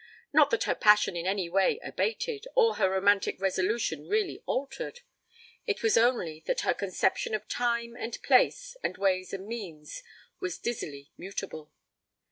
Not that her passion in any way abated, or her romantic resolution really altered: it was only that her conception of time and place and ways and means was dizzily mutable.